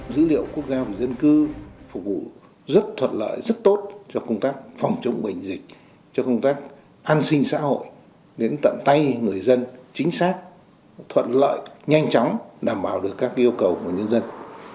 dữ liệu quốc gia và dân cư phục vụ rất thuận lợi rất tốt cho công tác phòng chống bệnh dịch cho công tác an sinh xã hội đến tận tay người dân chính xác thuận lợi nhanh chóng đảm bảo được các yêu cầu của nhân dân